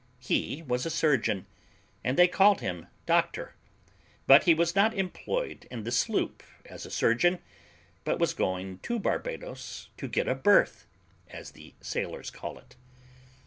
He was a surgeon, and they called him doctor; but he was not employed in the sloop as a surgeon, but was going to Barbados to get a berth, as the sailors call it.